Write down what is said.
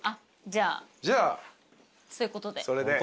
じゃあそういうことで。